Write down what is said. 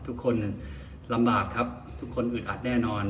ทุกคนลำบากครับทุกคนอึดอัดแน่นอน